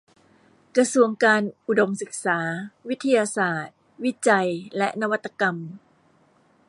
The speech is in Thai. กระทรวงการอุดมศึกษา วิทยาศาสตร์ วิจัยและนวัตกรรม